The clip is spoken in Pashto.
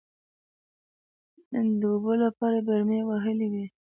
د اوبو لپاره يې برمې وهلې وې.